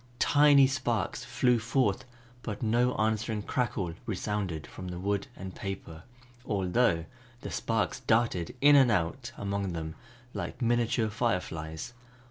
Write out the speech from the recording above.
Tiny sparks flew forth but no answering crackle resounded from the wood and paper, although the sparks darted in and out among them like miniature fireflies.